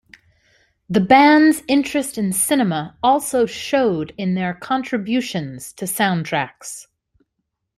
The band's interest in cinema also showed in their contributions to soundtracks.